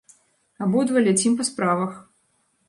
Абодва ляцім па справах.